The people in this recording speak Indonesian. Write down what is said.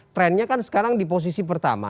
trendnya kan sekarang di posisi pertama